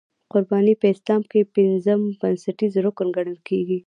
قرباني په اسلام کې پنځم بنسټیز رکن ګڼل کېږي.